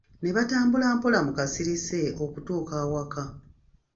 Ne batambula mpola mu kasirise okutuuka awaka.